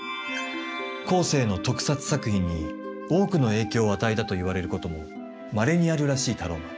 後世の特撮作品に多くの影響を与えたといわれることもまれにあるらしいタローマン。